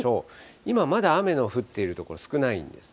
今、まだ雨の降っている所少ないんですね。